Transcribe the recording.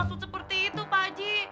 maksud seperti itu pak haji